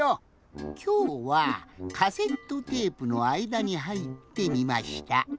きょうはカセットテープのあいだにはいってみました。